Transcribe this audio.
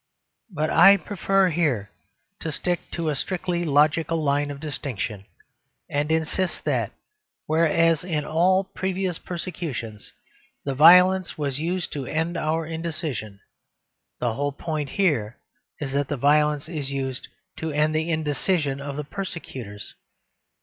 But I prefer here to stick to a strictly logical line of distinction, and insist that whereas in all previous persecutions the violence was used to end our indecision, the whole point here is that the violence is used to end the indecision of the persecutors.